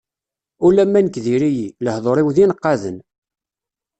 Ulamma nekk diri-yi, lehdur-iw d ineqqaden.